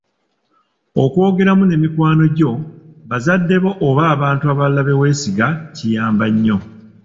Okwogeramu ne mikwano gyo, bazadde bo oba abantu abalala be weesiga kiyamba nnyo.